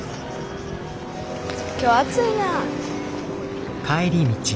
今日暑いな。